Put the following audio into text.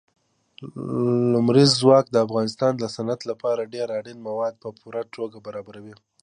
لمریز ځواک د افغانستان د صنعت لپاره ډېر اړین مواد په پوره توګه برابروي.